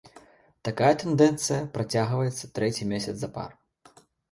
Такая тэндэнцыя працягваецца трэці месяц запар.